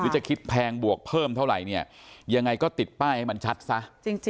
จะคิดแพงบวกเพิ่มเท่าไหร่เนี่ยยังไงก็ติดป้ายให้มันชัดซะ